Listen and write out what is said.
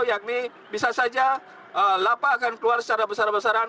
yakni bisa saja lapak akan keluar secara besar besaran